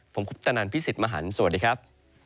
ผมคุปตนันพี่สิทธิ์มหันฯสวัสดีครับ